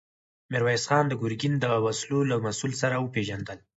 ميرويس خان د ګرګين د وسلو له مسوول سره وپېژندل.